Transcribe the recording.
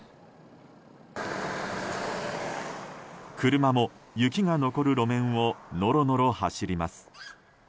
車も、雪が残る路面をのろのろ走ります。